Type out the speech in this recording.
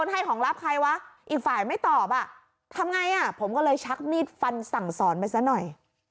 ให้ของรับใครวะอีกฝ่ายไม่ตอบอ่ะทำไงอ่ะผมก็เลยชักมีดฟันสั่งสอนไปซะหน่อย